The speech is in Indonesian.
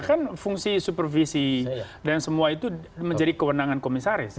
kan fungsi supervisi dan semua itu menjadi kewenangan komisaris